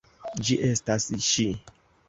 Ĝi estas ŝi!